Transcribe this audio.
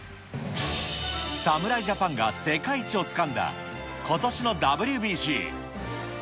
侍ジャパンが世界一をつかんだことしのＷＢＣ。